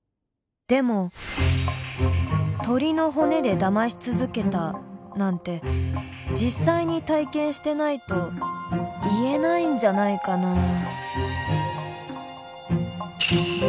でも鶏の骨でだまし続けたなんて実際に体験してないと言えないんじゃないかな。